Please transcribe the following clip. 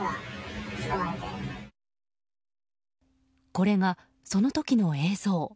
これが、その時の映像。